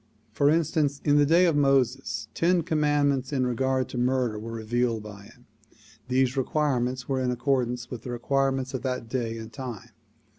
For instance, in the day of Moses ten commandments in regard to murder were revealed by him. These commandments were in accordance with the require ments of that day and time.